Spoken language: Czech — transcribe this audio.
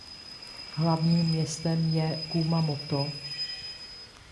Hlavním městem je Kumamoto.